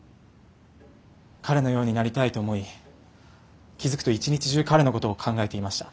彼のようになりたいと思い気付くと一日中彼のことを考えていました。